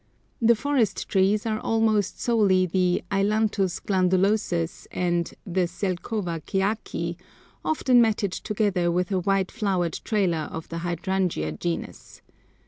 The forest trees are almost solely the Ailanthus glandulosus and the Zelkowa keaki, often matted together with a white flowered trailer of the Hydrangea genus.